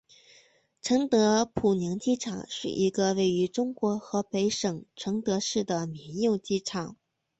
承德普宁机场是一个位于中国河北省承德市的民用机场。